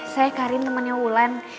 saya karim temannya wulan